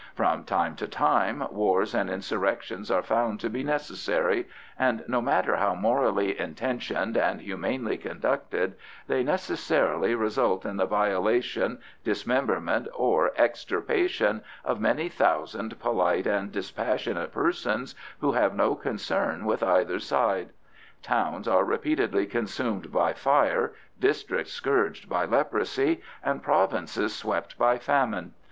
From time to time wars and insurrections are found to be necessary, and no matter how morally intentioned and humanely conducted, they necessarily result in the violation, dismemberment or extirpation of many thousand polite and dispassionate persons who have no concern with either side. Towns are repeatedly consumed by fire, districts scourged by leprosy, and provinces swept by famine.